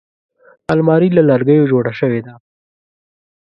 الماري له لرګیو جوړه شوې ده